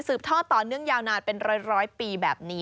ทอดต่อเนื่องยาวนานเป็นร้อยปีแบบนี้